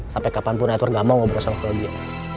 sampai kapanpun edward gak mau ngobrol soal claudia